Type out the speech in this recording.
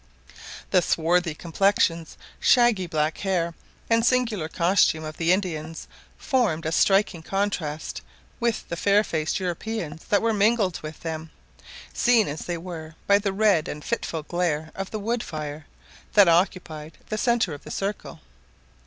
The swarthy complexions, shaggy black hair, and singular costume of the Indians formed a striking contrast with the fair faced Europeans that were mingled with them, seen as they were by the red and fitful glare of the wood fire that occupied the centre of the circle.